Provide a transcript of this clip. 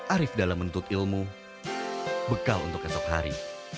arief dalam bentuk ilmu bekal untuk esok hari